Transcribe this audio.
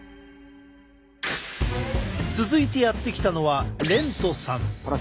続いてやって来たのは廉都さん。